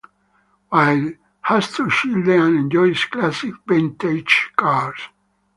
White has two children and enjoys classic vintage cars.